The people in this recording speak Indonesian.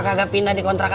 nah pasti above usasha